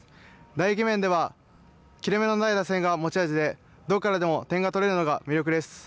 打撃面では切れ目のない打線が持ち味でどこからでも点が取れるのが魅力です。